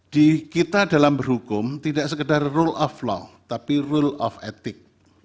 di kita dalam berhukum tidak sekedar rule of law tapi rule of etik